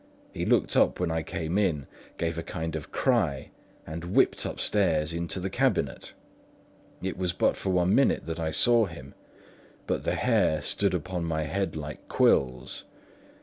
He looked up when I came in, gave a kind of cry, and whipped upstairs into the cabinet. It was but for one minute that I saw him, but the hair stood upon my head like quills.